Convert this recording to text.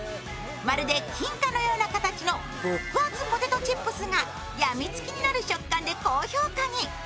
まるで金貨のような形の極厚ポテトチップスがやみつきになる食感で高評価に。